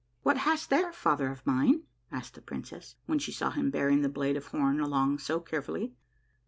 " What hast there, father of mine ?" asked the princess, when she saw him bearing the blade of horn along so care fully.